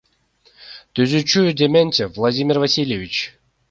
Түзүүчүсү — Дементев Владимир Васильевич.